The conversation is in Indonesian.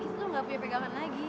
gitu gak punya pegangan lagi